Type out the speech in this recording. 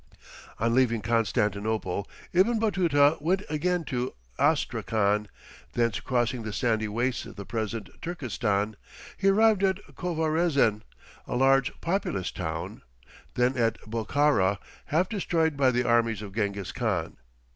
On leaving Constantinople, Ibn Batuta went again to Astrakhan, thence crossing the sandy wastes of the present Turkestan, he arrived at Khovarezen, a large populous town, then at Bokhara, half destroyed by the armies of Gengis Khan.